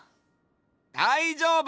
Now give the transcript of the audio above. だいじょうぶ！